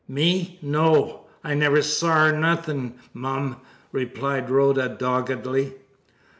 "Me? No! I never sawr nothing, mum," replied Rhoda doggedly.